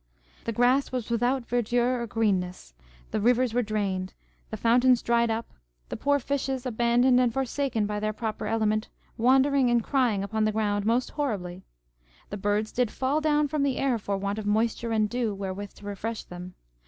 The grass was without verdure or greenness, the rivers were drained, the fountains dried up, the poor fishes, abandoned and forsaken by their proper element, wandering and crying upon the ground most horribly. The birds did fall down from the air for want of moisture and dew wherewith to refresh them.